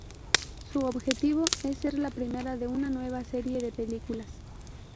Su objetivo es ser la primera de una nueva serie de películas.